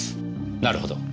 なるほど。